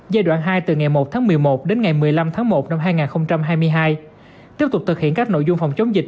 giai đoạn hai từ ngày một tháng một mươi một đến ngày một mươi năm tháng một năm hai nghìn hai mươi hai tiếp tục thực hiện các nội dung phòng chống dịch